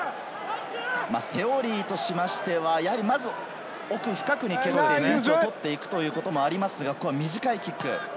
セオリーとしましては、奥深くに蹴る、陣地を取っていくということがありますが短いキック。